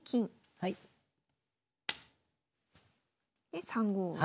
で３五銀。